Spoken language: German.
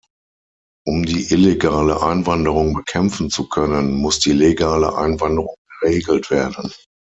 Um die illegale Einwanderung bekämpfen zu können, muss die legale Einwanderung geregelt werden.